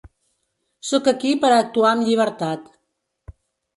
Sóc aquí per a actuar amb llibertat.